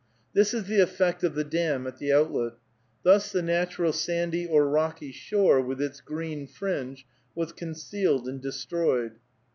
This is the effect of the dam at the outlet. Thus the natural sandy or rocky shore, with its green fringe, was concealed and destroyed.